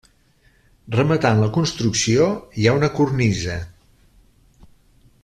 Rematant la construcció hi ha una cornisa.